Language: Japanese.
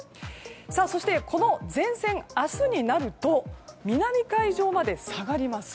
そしてこの前線、明日になると南海上まで下がります。